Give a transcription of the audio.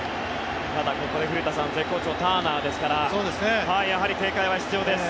ただ、ここで古田さん絶好調ターナーですからやはり警戒は必要です。